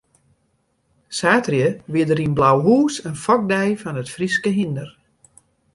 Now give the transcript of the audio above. Saterdei wie der yn Blauhûs in fokdei fan it Fryske hynder.